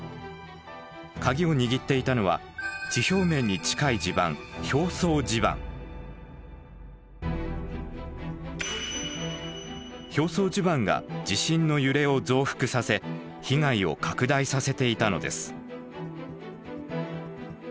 鍵を握っていたのは地表面に近い地盤表層地盤が地震の揺れを増幅させ被害を拡大させていたのです。